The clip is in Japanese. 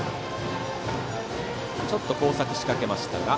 ちょっと交錯しかけましたが。